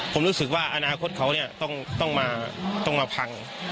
ผมรู้สึกว่าอนาคตเขาต้องมาพัง